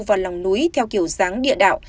vào lòng núi theo kiểu dáng địa đạo